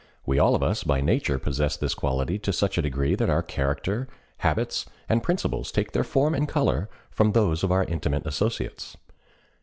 We all of us by nature possess this quality to such a degree that our character, habits, and principles take their form and color from those of our intimate associates.